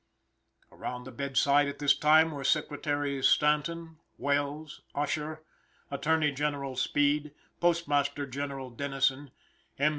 Around the bedside at this time were Secretaries Stanton, Welles, Usher, Attorney General Speed, Postmaster General Dennison, M.